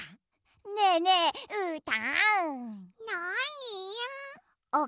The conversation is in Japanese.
ねえねえうーたん！